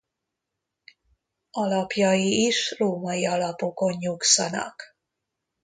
Alapjai is római alapokon nyugszanak.